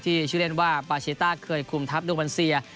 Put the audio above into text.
ที่ชื่อเล่นว่าปาเชต้าเคยคุมทัพดูมันเซีย